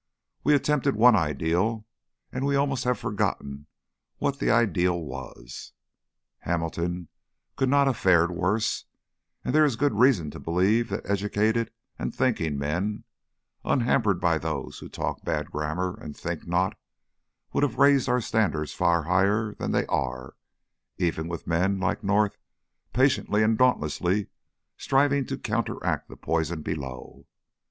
We attempted one ideal, and we almost have forgotten what the ideal was. Hamilton's could not have fared worse, and there is good reason to believe that educated and thinking men, unhampered by those who talk bad grammar and think not, would have raised our standards far higher than they are, even with men like North patiently and dauntlessly striving to counteract the poison below.